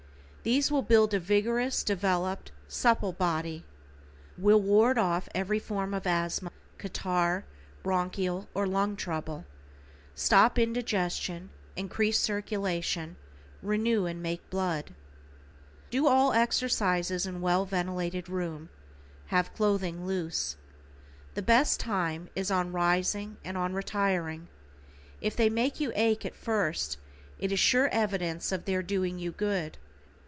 These will build a vigorous, developed, supple body. Will ward off every form of asthma, catarrh, bronchial or lung trouble. Stop indigestion, increase circulation, renew and make blood. Do all exercises in well ventilated room, have clothing loose. The best time is on rising and on retiring. If they make you ache at first it is sure evidence of their doing you good.